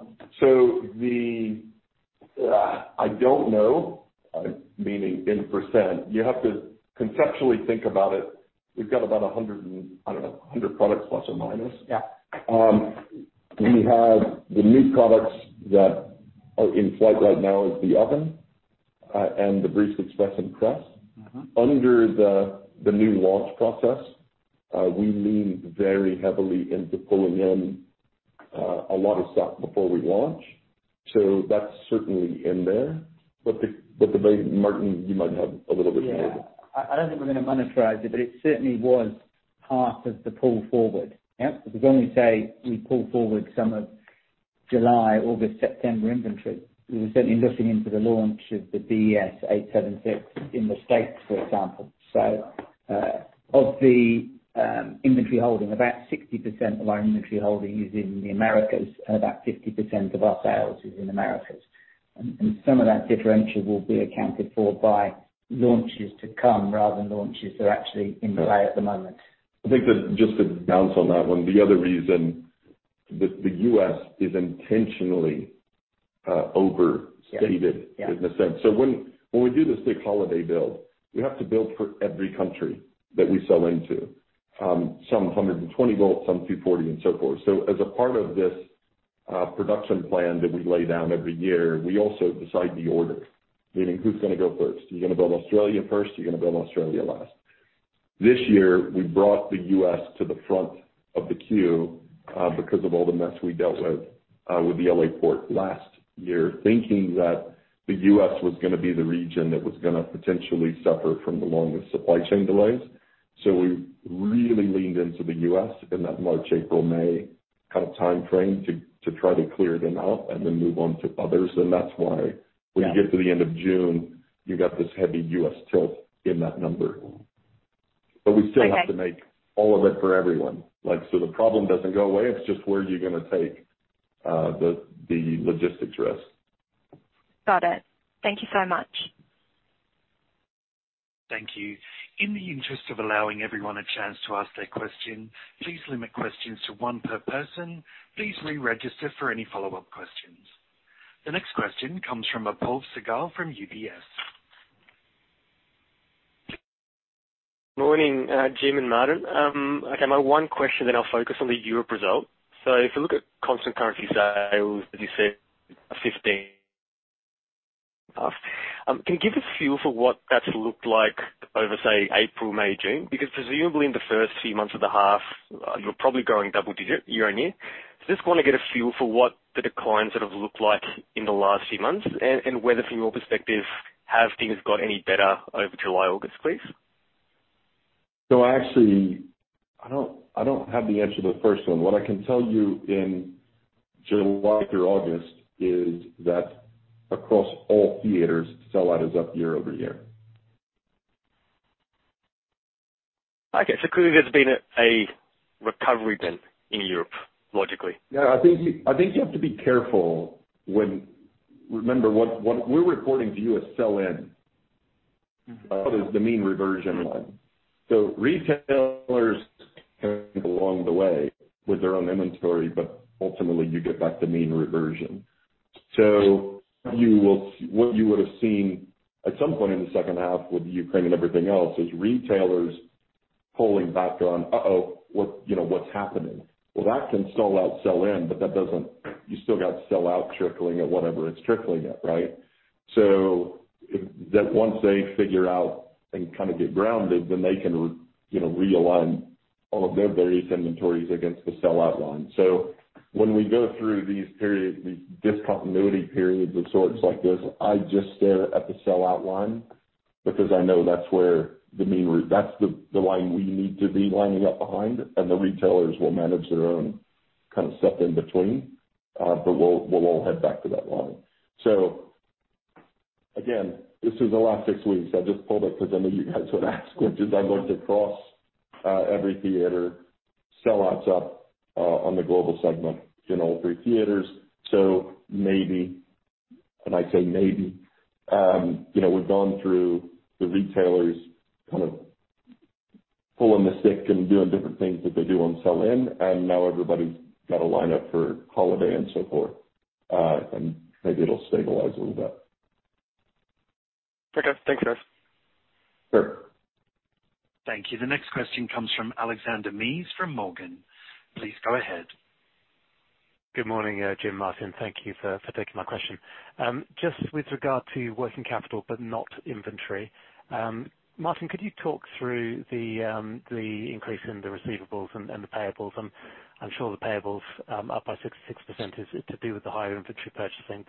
don't know, meaning in percent. You have to conceptually think about it. We've got about 100 products plus or minus. Yeah. We have the new products that are in flight right now is the oven, and the Barista Express. Mm-hmm. Under the new launch process, we lean very heavily into pulling in a lot of stock before we launch. That's certainly in there. The big Martin, you might have a little bit more. Yeah. I don't think we're gonna monetize it, but it certainly was part of the pull forward. Yeah. Because when we say we pull forward some of July, August, September inventory, we were certainly looking into the launch of the BES876 in the States, for example. Of the inventory holding, about 60% of our inventory holding is in the Americas, and about 50% of our sales is in the Americas. Some of that differential will be accounted for by launches to come rather than launches that are actually in play at the moment. I think that just to bounce on that one, the other reason the U.S. is intentionally overstated. Yeah. In a sense. When we do the stock holiday build, we have to build for every country that we sell into. Some 120 volts, some 240 volts. And so forth. As a part of this, production plan that we lay down every year, we also decide the order. Meaning who's gonna go first. Are you gonna build Australia first? Are you gonna build Australia last? This year, we brought the U.S. To the front of the queue, because of all the mess we dealt with the L.A. port last year, thinking that the U.S. was gonna be the region that was gonna potentially suffer from the longest supply chain delays. We really leaned into the U.S. in that March, April, May kind of time frame to try to clear them out and then move on to others. That's why. Yeah. When you get to the end of June, you got this heavy U.S. tilt in that number. Okay. We still have to make all of it for everyone. Like, so the problem doesn't go away, it's just where you're gonna take the logistics risk. Got it. Thank you so much. Thank you. In the interest of allowing everyone a chance to ask their question, please limit questions to one per person. Please re-register for any follow-up questions. The next question comes from Apoorv Sehgal from UBS. Morning, Jim and Martin. Okay, my one question then I'll focus on the Europe result. If you look at constant currency sales, as you said, 15 half, can you give a feel for what that's looked like over, say, April, May, June? Because presumably in the first few months of the half, you were probably growing double-digit year-on-year. Just wanna get a feel for what the declines sort of looked like in the last few months and whether from your perspective, have things got any better over July, August, please? I actually don't have the answer to the first one. What I can tell you in July through August is that across all theaters, sell-out is up year-over-year. Okay. Clearly there's been a recovery then in Europe, logically. Yeah. I think you have to be careful when. Remember, what we're reporting to you is sell-in. Mm-hmm. What is the mean reversion line? Retailers along the way with their own inventory, but ultimately you get back to mean reversion. You will see what you would've seen at some point in the second half with Ukraine and everything else is retailers pulling back on what you know what's happening. Well, that can stall out sell-in, but that doesn't. You still got sell-out trickling at whatever it's trickling at, right? That once they figure out and kind of get grounded, then they can you know realign all of their various inventories against the sell-out line. When we go through these periods, these discontinuity periods of sorts like this, I just stare at the sell-out line because I know that's where that's the line we need to be lining up behind, and the retailers will manage their own kind of stuff in between. We'll all head back to that line. Again, this is the last six weeks. I just pulled it because I know you guys would ask questions. I looked across every theater; sell-out's up on the global segment in all three theaters. Maybe, and I say maybe, you know, we've gone through the retailer's kind of pulling the stick and doing different things that they do on sell-in, and now everybody's got to line up for holiday and so forth. Maybe it'll stabilize a little bit. Okay. Thanks, guys. Sure. Thank you. The next question comes from Alexander Mees from Morgans. Please go ahead. Good morning, Jim, Martin. Thank you for taking my question. Just with regard to working capital, but not inventory, Martin, could you talk through the increase in the receivables and the payables? I'm sure the payables up by 66% is to do with the higher inventory purchasing.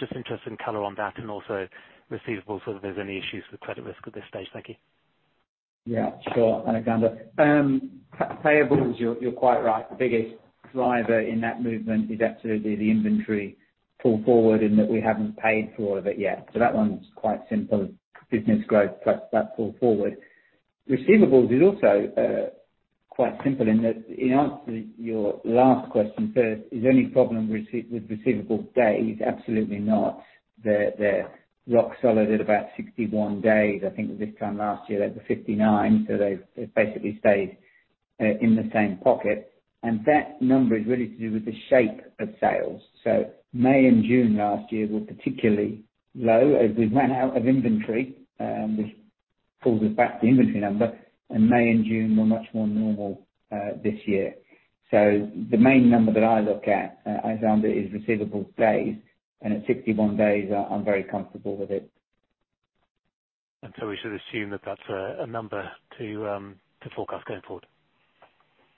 Just interested in color on that and also receivables, so if there's any issues with credit risk at this stage. Thank you. Yeah, sure, Alexander. Payables, you're quite right. The biggest driver in that movement is absolutely the inventory pull forward and that we haven't paid for all of it yet. That one's quite simple, business growth plus that pull forward. Receivables is also quite simple in that in answer to your last question first, is there any problem with receivable days? Absolutely not. They're rock solid at about 61 days. I think this time last year they were 59, so they've basically stayed in the same pocket. That number is really to do with the shape of sales. May and June last year were particularly low as we ran out of inventory, which pulls us back to the inventory number, and May and June were much more normal this year. The main number that I look at, Alexander, is receivable days, and at 61 days, I'm very comfortable with it. We should assume that that's a number to forecast going forward.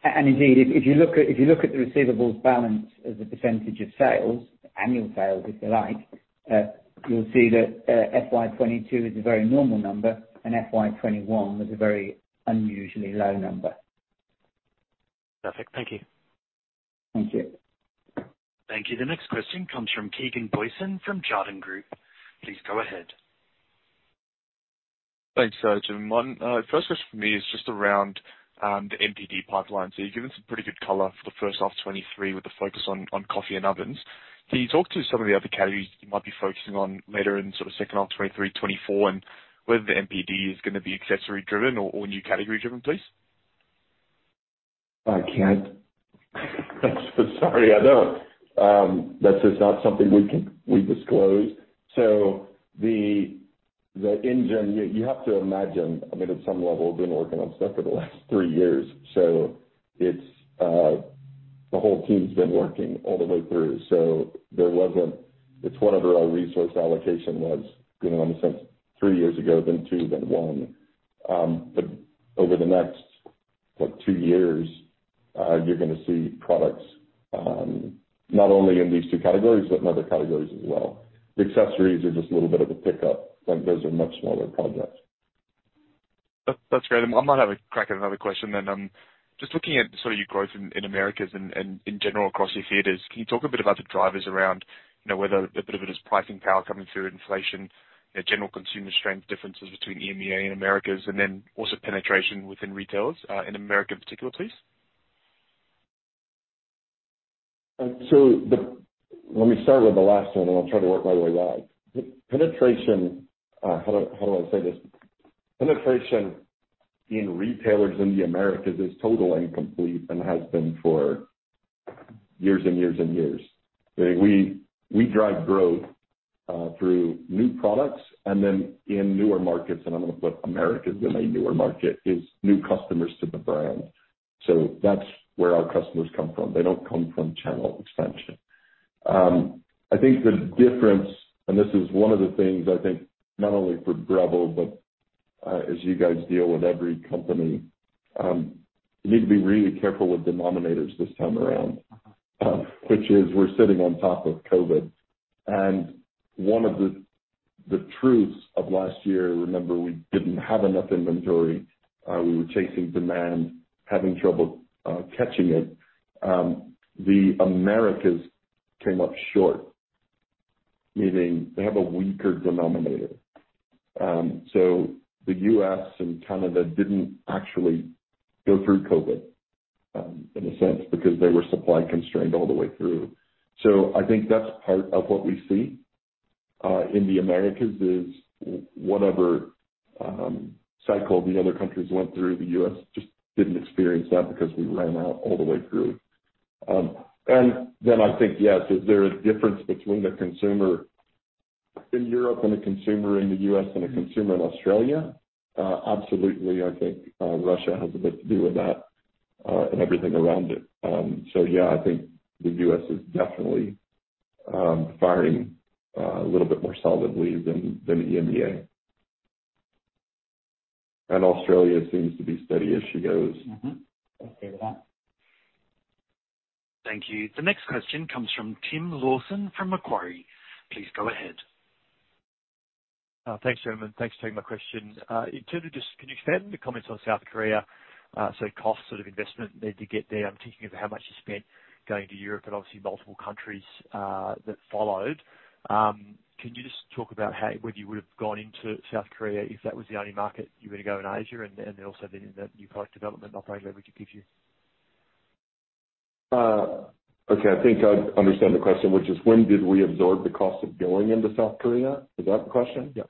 Indeed, if you look at the receivables balance as a percentage of sales, annual sales, if you like, FY 2022 is a very normal number and FY 2021 was a very unusually low number. Perfect. Thank you. Thank you. Thank you. The next question comes from Keegan Booysen from Jarden Group. Please go ahead. Thanks, sir. Jim, first question for me is just around the NPD pipeline. You've given some pretty good color for the first half 2023 with the focus on coffee and ovens. Can you talk to some of the other categories you might be focusing on later in sort of second half 2023, 2024, and whether the NPD is gonna be accessory-driven or new category-driven, please? I can't. Sorry, I don't. That's just not something we can disclose. The engine you have to imagine. I mean at some level, we've been working on stuff for the last three years, so it's the whole team's been working all the way through. There wasn't. It's whatever our resource allocation was, you know, since three years ago, then two, then one. Over the next, like, two years, you're gonna see products, not only in these two categories, but in other categories as well. The accessories are just a little bit of a pickup, but those are much smaller projects. That's great. I might have a crack at another question then. Just looking at sort of your growth in Americas and in general across your theaters, can you talk a bit about the drivers around, you know, whether a bit of it is pricing power coming through or inflation and general consumer strength differences between EMEA and Americas, and then also penetration within retailers in America in particular, please? Let me start with the last one, and I'll try to work my way back. Penetration, how do I say this? Penetration in retailers in the Americas is total and complete and has been for years and years and years. We drive growth through new products and then in newer markets, and I'm gonna put Americas in a newer market, is new customers to the brand. So that's where our customers come from. They don't come from channel expansion. I think the difference, and this is one of the things, I think, not only for Breville but, as you guys deal with every company, you need to be really careful with denominators this time around. Which is we're sitting on top of COVID. One of the truths of last year, remember, we didn't have enough inventory. We were chasing demand, having trouble catching it. The Americas came up short, meaning they have a weaker denominator. The U.S. and Canada didn't actually go through COVID, in a sense, because they were supply constrained all the way through. I think that's part of what we see in the Americas, is whatever cycle the other countries went through, the U.S. just didn't experience that because we ran out all the way through. I think, yes, is there a difference between the consumer in Europe and the consumer in the U.S. and the consumer in Australia? Absolutely. I think Russia has a bit to do with that, and everything around it. Yeah, I think the US is definitely firing a little bit more solidly than EMEA. Australia seems to be steady as she goes. Mm-hmm. I see that. Thank you. The next question comes from Tim Lawson from Macquarie. Please go ahead. Thanks, gentlemen. Thanks for taking my question. In terms of just can you expand the comments on South Korea, so cost sort of investment needed to get there? I'm thinking of how much you spent going to Europe and obviously multiple countries that followed. Can you just talk about whether you would have gone into South Korea if that was the only market you were to go in Asia and then in the new product development operating leverage it gives you? Okay. I think I understand the question, which is when did we absorb the cost of going into South Korea? Is that the question? Yeah.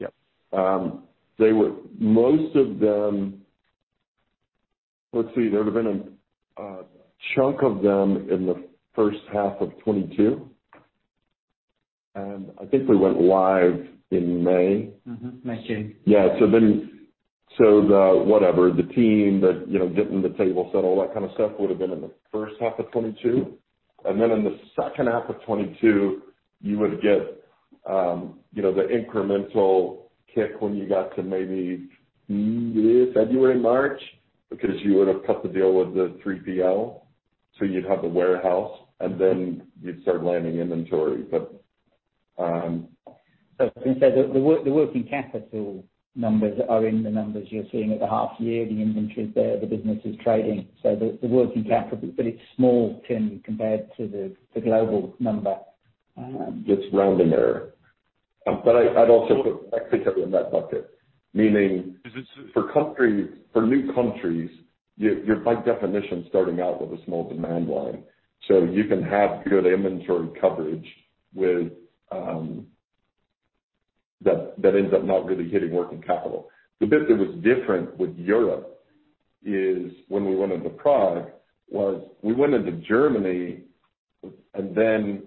Yeah. Most of them. Let's see. There would've been a chunk of them in the first half of 2022. I think we went live in May. Mm-hmm. May, June. The team that, you know, getting the table set, all that kind of stuff would have been in the first half of 2022. In the second half of 2022, you would get, you know, the incremental kick when you got to maybe February, March, because you would have cut the deal with the 3PL, so you'd have the warehouse, and then you'd start landing inventory. As I said, the working capital numbers are in the numbers you're seeing at the half year. The inventory is there, the business is trading, so the working capital. Yeah. It's small compared to the global number. It's rounding error. I'd also put Mexico in that bucket. Meaning. Is it- For new countries, you're by definition starting out with a small demand line. You can have good inventory coverage with that ends up not really hitting working capital. The bit that was different with Europe is we went into Germany and then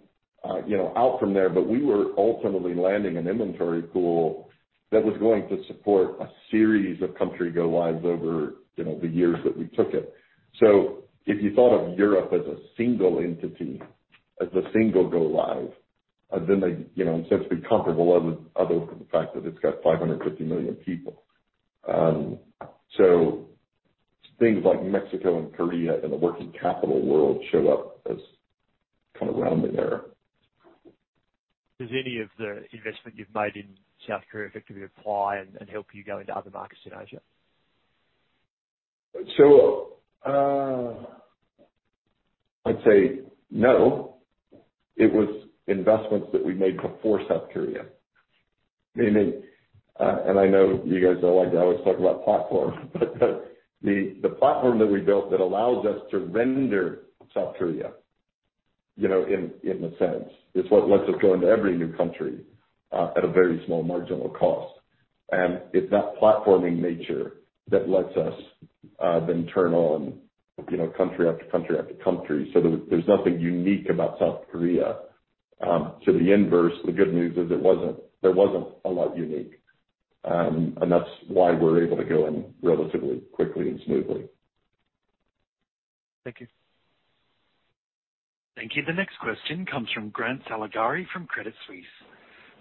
out from there, but we were ultimately landing an inventory pool that was going to support a series of country go lives over the years that we took it. If you thought of Europe as a single entity, as a single go live, then it's essentially comparable, other than the fact that it's got 550 million people. Things like Mexico and Korea in the working capital world show up as kind of rounding error. Does any of the investment you've made in South Korea effectively apply and help you go into other markets in Asia? Sure. I'd say no. It was investments that we made before South Korea. Mainly, and I know you guys don't like it. I always talk about platform, but the platform that we built that allows us to render South Korea in a sense. It's what lets us go into every new country at a very small marginal cost. It's that platforming nature that lets us then turn on country after country after country. There's nothing unique about South Korea. The inverse, the good news is it wasn't a lot unique. That's why we're able to go in relatively quickly and smoothly. Thank you. Thank you. The next question comes from Grant Saligari from Credit Suisse.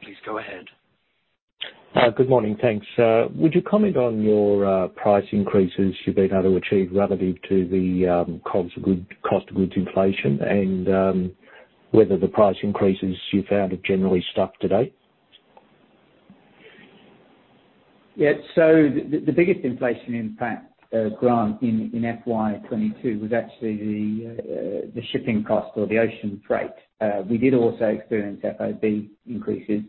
Please go ahead. Good morning. Thanks. Would you comment on your price increases you've been able to achieve relative to the cost of goods inflation and whether the price increases you found have generally stuck to date? Yeah. The biggest inflation impact, Grant, in FY 2022 was actually the shipping cost or the ocean freight. We did also experience FOB increases.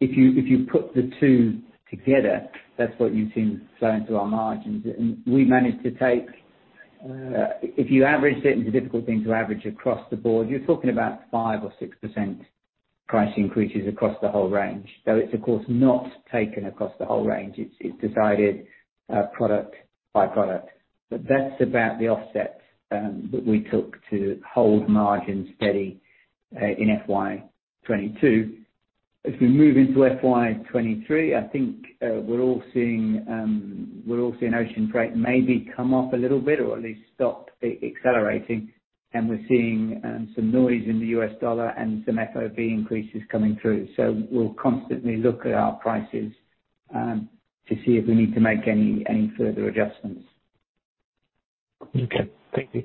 If you put the two together, that's what you've seen flow into our margins. We managed to take, if you average it, and it's a difficult thing to average across the board, you're talking about 5% or 6% price increases across the whole range. Though it's of course not taken across the whole range. It's decided, product by product. That's about the offset that we took to hold margins steady in FY 2022. If we move into FY 2023, I think, we're all seeing ocean freight maybe come off a little bit or at least stop accelerating. We're seeing some noise in the U.S. dollar and some FOB increases coming through. We'll constantly look at our prices to see if we need to make any further adjustments. Okay. Thank you.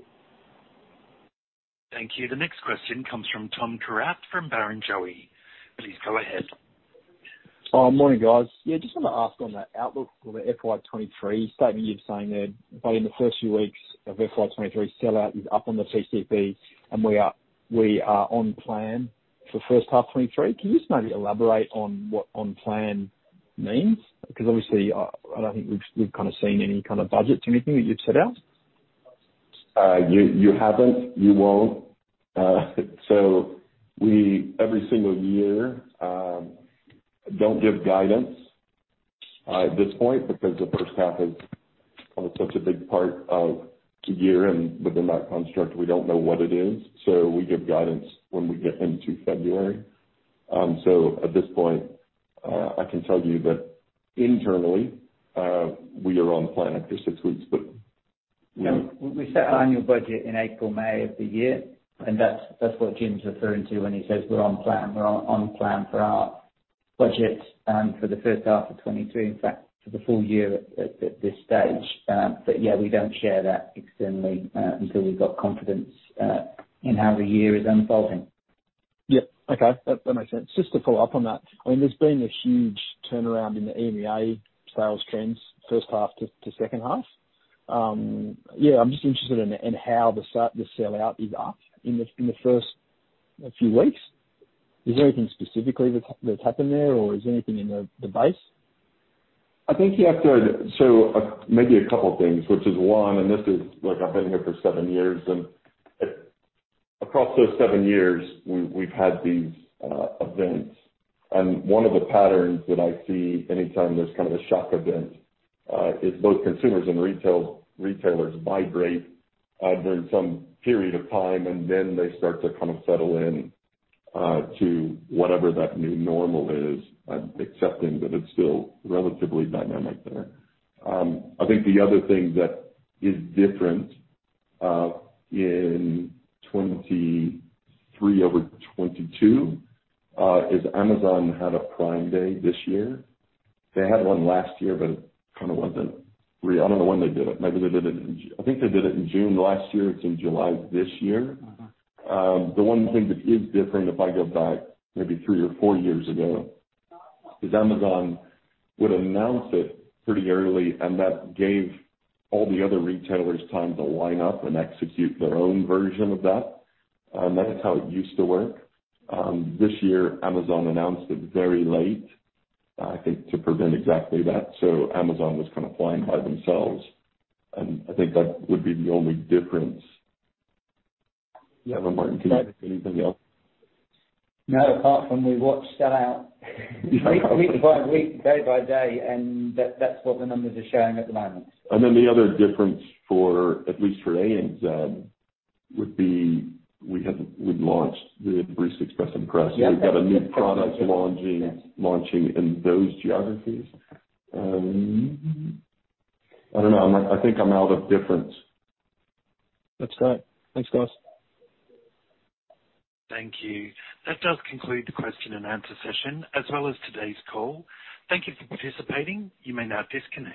Thank you. The next question comes from Tom Kierath from Barrenjoey. Please go ahead. Morning, guys. Yeah, just wanna ask on the outlook for the FY 2023 statement. You're saying that in the first few weeks of FY 2023, sell-out is up on the PCP, and we are on plan for first half 2023. Can you just maybe elaborate on what on plan means? Because obviously, I don't think we've kinda seen any kind of budget or anything that you've set out. You haven't. You won't. We every single year don't give guidance at this point because the first half is kind of such a big part of the year, and within that construct, we don't know what it is. We give guidance when we get into February. At this point, I can tell you that internally, we are on plan after six weeks, but you know. We set our annual budget in April, May of the year, and that's what Jim's referring to when he says we're on plan. We're on plan for our budget, for the first half of 2023, in fact, for the full year at this stage. Yeah, we don't share that externally, until we've got confidence in how the year is unfolding. Yeah. Okay. That makes sense. Just to follow up on that, I mean, there's been a huge turnaround in the EMEA sales trends first half to second half. Yeah, I'm just interested in how the sell-out is up in the first few weeks. Is there anything specifically that's happened there, or is anything in the base? Maybe a couple things, which is one, and this is. Look, I've been here for seven years, and across those seven years we've had these events. One of the patterns that I see anytime there's kind of a shock event is both consumers and retailers migrate during some period of time, and then they start to kind of settle in to whatever that new normal is. I'm accepting that it's still relatively dynamic there. I think the other thing that is different in 2023 over 2022 is Amazon had a Prime Day this year. They had one last year, but it kind of wasn't real. I don't know when they did it. Maybe they did it. I think they did it in June last year. It's in July this year. Mm-hmm. The one thing that is different, if I go back maybe three or four years ago, is Amazon would announce it pretty early, and that gave all the other retailers time to line up and execute their own version of that. That is how it used to work. This year Amazon announced it very late, I think to prevent exactly that. Amazon was kind of flying by themselves, and I think that would be the only difference. Yeah, Martin, can you think of anything else? No. Apart from, we've watched sell-out week by week, day by day, and that's what the numbers are showing at the moment. The other difference for, at least for ANZ would be we've launched the Barista Express Impress. Yeah. We've got a new product launching in those geographies. I don't know. I think I'm out of my depth. That's great. Thanks, guys. Thank you. That does conclude the question and answer session as well as today's call. Thank you for participating. You may now disconnect.